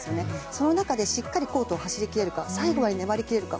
その中でしっかりコートを走り切れるか最後まで粘り切れるか。